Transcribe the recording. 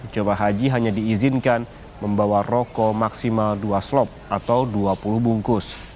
jemaah haji hanya diizinkan membawa rokok maksimal dua slop atau dua puluh bungkus